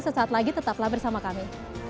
sesaat lagi tetaplah bersama kami